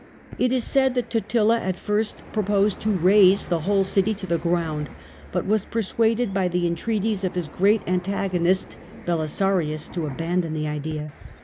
It is said that Totila at first proposed to raze the whole city to the ground, but was persuaded by the entreaties of his great antagonist Belisarius to abandon the idea.